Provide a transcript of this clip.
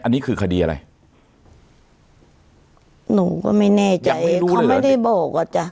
อันนี้คือคดีอะไรหนูก็ไม่แน่ใจเขาไม่ได้บอกอ่ะจ้ะ